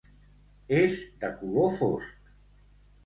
És de color fosc.